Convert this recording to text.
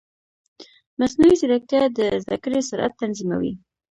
مصنوعي ځیرکتیا د زده کړې سرعت تنظیموي.